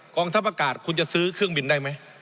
งทัพอากาศคุณจะซื้อเครื่องบินได้ไหม